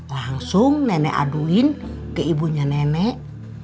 langsung nenek aduin ke ibunya nenek